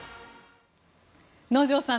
能條さん